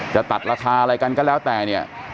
จะตัดราคาอะไรกันก็แล้วแต่เนี่ย